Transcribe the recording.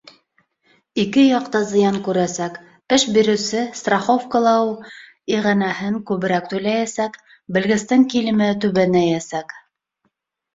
Ике яҡ та зыян күрәсәк: эш биреүсе страховкалау иғәнәһен күберәк түләйәсәк, белгестең килеме түбәнәйәсәк.